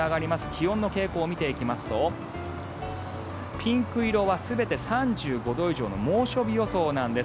気温の傾向を見ていきますとピンク色は全て３５度以上の猛暑日予想なんです。